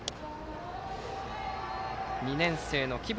２年生の木伏